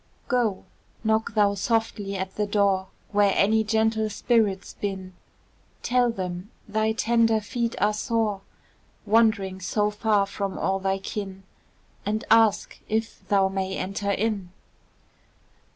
Go! knock thou softly at the door Where any gentle spirits bin, Tell them thy tender feet are sore, Wandering so far from all thy kin, And ask if thou may enter in.